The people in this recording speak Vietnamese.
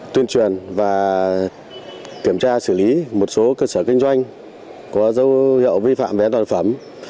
tuyên truyền và kiểm tra xử lý một số cơ sở kinh doanh có dấu hiệu vi phạm về an toàn phẩm